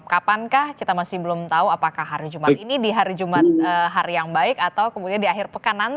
kapankah kita masih belum tahu apakah hari jumat ini di hari jumat hari yang baik atau kemudian di akhir pekanan